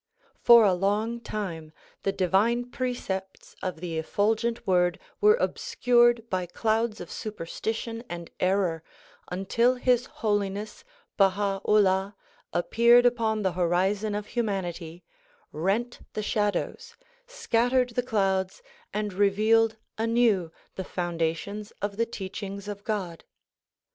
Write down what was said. For a long time the divine precepts of the effulgent Word were obscured by clouds of superstition and error until His Holiness Baha 'Ullah appeared upon the horizon of humanity, rent the shadows, scattered the clouds and revealed anew the foundations of the teachings of God.